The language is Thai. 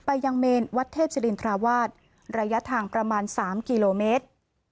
ยังเมนวัดเทพศิรินทราวาสระยะทางประมาณ๓กิโลเมตร